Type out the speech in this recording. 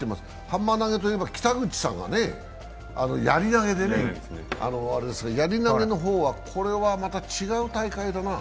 ハンマー投げといえば北口さんがやり投であれですが、やり投げの方はまた違う大会だな。